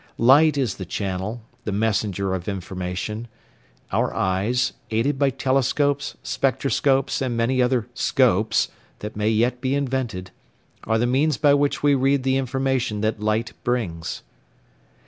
Light is the channel, the messenger of information; our eyes, aided by telescopes, spectroscopes, and many other "scopes" that may yet be invented, are the means by which we read the information that light brings.